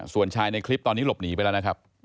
ส่วนชายในคลิปตอนนี้หลบหนีไปแล้วนะครับ